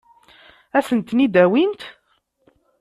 Ad sen-tent-id-awint?